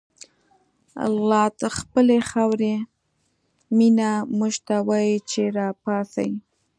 لادخپلی خاوری مینه، موږ ته وایی چه راپاڅئ